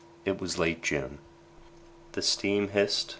It was late June. The steam hissed.